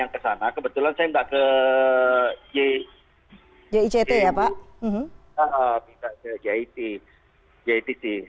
kemudian saya ke jict